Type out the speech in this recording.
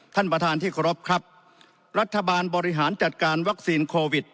ท่านประธานที่เคารพครับรัฐบาลบริหารจัดการวัคซีนโควิด